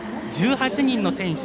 １８人の選手